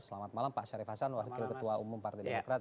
selamat malam pak syarif hasan wakil ketua umum partai demokrat